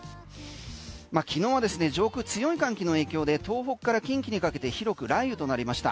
昨日はですね、上空、強い寒気の影響で東北から近畿にかけて広く雷雨となりました。